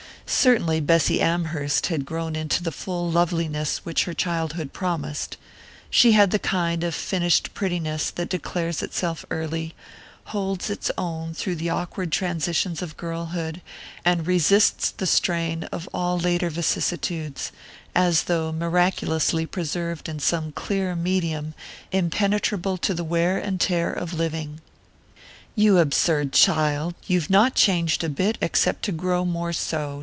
Certainly Bessy Amherst had grown into the full loveliness which her childhood promised. She had the kind of finished prettiness that declares itself early, holds its own through the awkward transitions of girlhood, and resists the strain of all later vicissitudes, as though miraculously preserved in some clear medium impenetrable to the wear and tear of living. "You absurd child! You've not changed a bit except to grow more so!"